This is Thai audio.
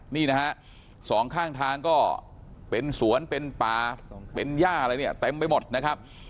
นี่นะฮะสองข้างทางก็เป็นสวนเป็นป่าเป็นย่าอะไรเนี่ยเต็มไปหมดนะครับ